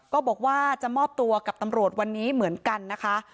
ก็บอกว่าจะมอบตัวกับตำรวจวันนี้เหมือนกันนะคะ